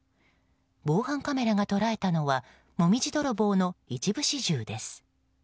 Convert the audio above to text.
防犯カメラが捉えたのはモミジ泥棒の一部始終です。